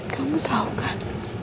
kamu tau kan